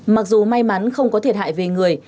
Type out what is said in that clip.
mặc dù may mắn không có thiệt hại về người